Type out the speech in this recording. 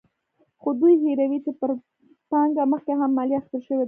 خو دوی هېروي چې پر پانګه مخکې هم مالیه اخیستل شوې ده.